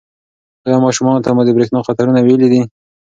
ایا ماشومانو ته مو د برېښنا د خطرونو ویلي دي؟